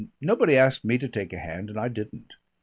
"Nobody asked me to take a hand and I didn't.